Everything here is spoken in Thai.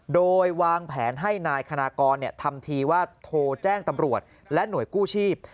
โดยวางแผนให้นายคณากรทำทีว่าโทรแจ้งตำรวจและหน่วยกู้ชีพ